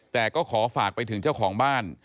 แต่ก็ขอฝากไปถึงเจ้าของบ้าน